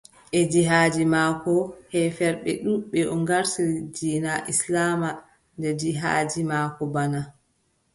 E jihaadi maako, heeferɓe ɗuuɗɓe o ngartiri diina islaama nder jihaadi maako bana.